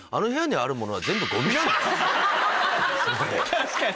確かに。